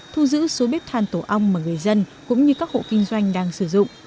thu giữ số bếp than tổ ong mà người dân cũng như các hộ kinh doanh đang sử dụng